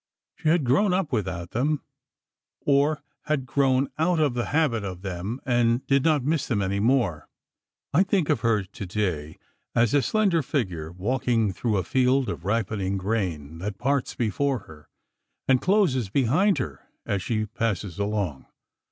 She had grown up without them, or had grown out of the habit of them and did not miss them any more. I think of her today as a slender figure, walking through a field of ripening grain, that parts before her, and closes behind her as she passes along.